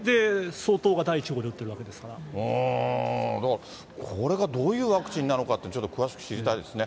総統が第１号で打ってだからこれがどういうワクチンなのかって、ちょっと詳しく知りたいですね。